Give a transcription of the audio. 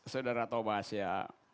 saudara tobas ya